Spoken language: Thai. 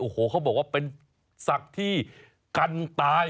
เขาบอกว่าเป็นสักที่กันตาย